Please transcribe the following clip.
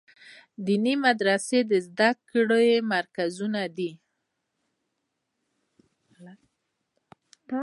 دیني مدرسې د زده کړو مرکزونه دي.